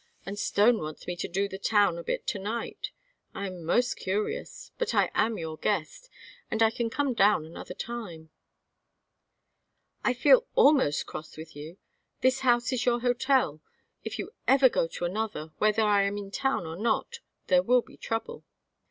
And Stone wants me to do the town a bit to night. I am most curious but I am your guest and I can come down another time " "I feel almost cross with you. This house is your hotel. If you ever go to another whether I am in town or not there will be trouble."